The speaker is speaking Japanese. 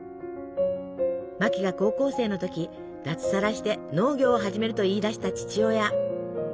マキが高校生の時脱サラして農業を始めると言い出した父親。